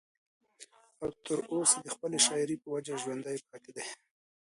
او تر اوسه د خپلې شاعرۍ پۀ وجه ژوندی پاتې دی